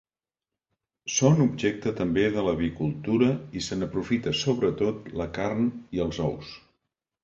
Són objecte també de l'avicultura i se n'aprofita sobretot la carn i els ous.